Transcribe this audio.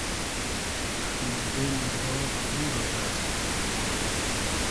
خئندیدۉنی بار دو رۉزۂ الݷ